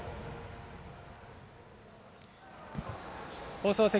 放送席。